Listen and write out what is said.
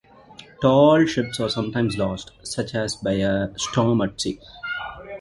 Tall ships are sometimes lost, such as by a storm at sea.